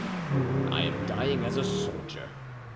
"I am dying as a soldier.